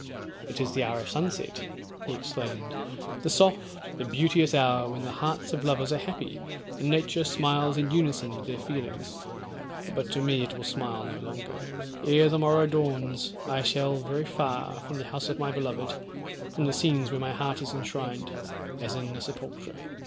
'It is the hour of sunset,' he exclaimed; 'the soft, the beauteous hour, when the hearts of lovers are happy, and nature smiles in unison with their feelings; but to me it will smile no longer—ere the morrow dawns I shall very far, from the house of my beloved; from the scenes where my heart is enshrined, as in a sepulchre.